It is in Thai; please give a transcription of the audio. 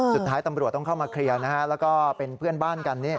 สุดท้ายตำรวจต้องเข้ามาเคลียร์นะฮะแล้วก็เป็นเพื่อนบ้านกัน